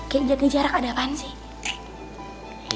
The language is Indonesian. kayak ngejarak ada apaan sih